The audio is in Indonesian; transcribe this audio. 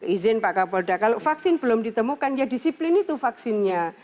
izin pak kapolda kalau vaksin belum ditemukan ya disiplin itu vaksinnya